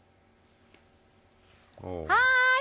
はい。